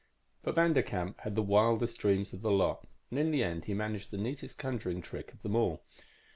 "But Vanderkamp had the wildest dreams of the lot. And in the end he managed the neatest conjuring trick of them all.